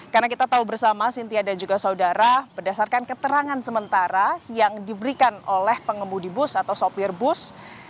karena kita tahu bersama sintia dan juga saudara berdasarkan keterangan sementara yang diberikan oleh pengemudi bus atau sopir bus